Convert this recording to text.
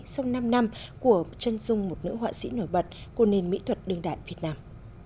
sau năm năm của chân dung một nữ họa sĩ nổi bật của nền mỹ thuật đương đại việt nam